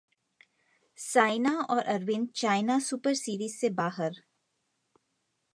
साइना और Arvind China super series से बाहर